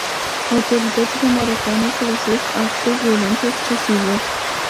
Autoritățile marocane folosesc acte violente excesive.